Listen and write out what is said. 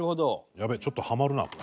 やべえちょっとハマるなこれ。